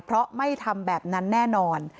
เพราะไม่ทำแบบนั้นแน่นอน